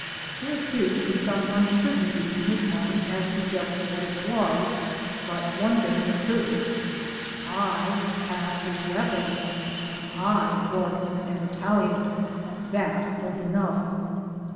There appeared to be some uncertainty in his mind as to just what it was, but one thing was certain : I had a weapon and I was an Italian. That was enough.